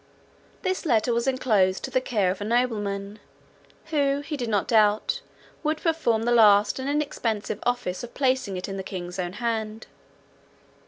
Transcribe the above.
This letter was enclosed to the care of a nobleman, who, he did not doubt, would perform the last and inexpensive office of placing it in the king's own hand.